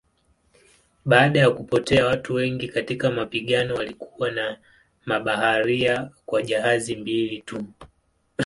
Baada ya kupotea watu wengi katika mapigano walikuwa na mabaharia kwa jahazi mbili tu.